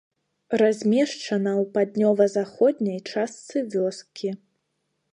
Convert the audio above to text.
Размешчана ў паўднёва-заходняй частцы вёскі.